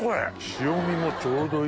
塩味もちょうどいいし。